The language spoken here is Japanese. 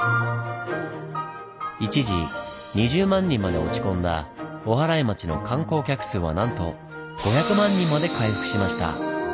一時２０万人まで落ち込んだおはらい町の観光客数はなんと５００万人まで回復しました。